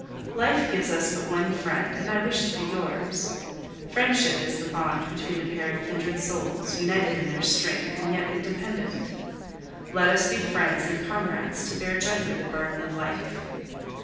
"Life gives us but one friend, and I wish to be yours. Friendship is the bond between a pair of kindred souls, united in their strength, and yet independent. Let us be friends and comrades to bear jointly the burden of life.